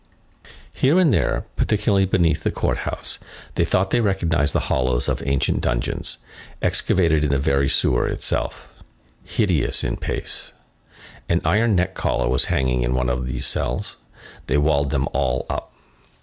Here and there, particularly beneath the Court House, they thought they recognized the hollows of ancient dungeons, excavated in the very sewer itself. Hideous in pace. An iron neck collar was hanging in one of these cells. They walled them all up.